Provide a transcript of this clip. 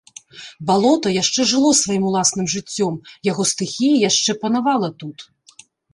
Балота яшчэ жыло сваім уласным жыццём, яго стыхія яшчэ панавала тут.